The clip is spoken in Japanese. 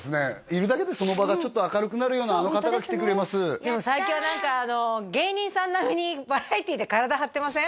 いるだけでその場がちょっと明るくなるようなあの方が来てくれますでも最近は芸人さん並みにバラエティーで体張ってません？